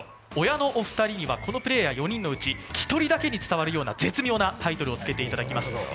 親のお二人にはこのプレーヤー４人のうち２人にだけ伝わるような絶妙なタイトルをつけていただきます。